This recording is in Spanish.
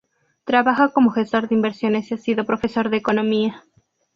Trabaja como gestor de inversiones y ha sido profesor de economía.